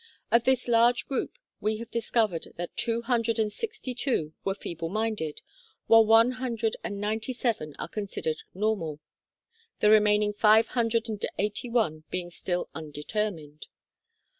Of this large group, we have discovered that two hundred and sixty two were feeble minded, while one hundred and ninety seven are considered normal, the remaining five hundred and eighty one being still un determined.